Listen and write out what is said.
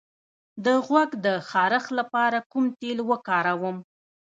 د غوږ د خارش لپاره کوم تېل وکاروم؟